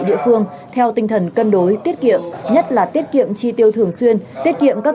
địa phương theo tinh thần cân đối tiết kiệm nhất là tiết kiệm chi tiêu thường xuyên tiết kiệm các